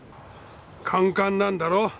カンカンなんだろ？